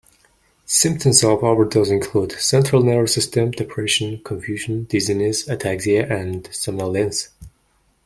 Symptoms of overdose include central nervous system depression, confusion, dizziness, ataxia, and somnolence.